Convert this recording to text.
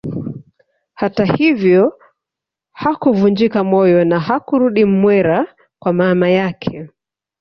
Hata hivyo hakuvunjika moyo na hakurudi Mwera kwa mama yake